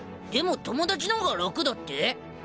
でも友達のが楽だって？